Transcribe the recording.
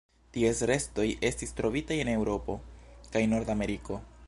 Ties restoj estis trovitaj en Eŭropo kaj Nordameriko.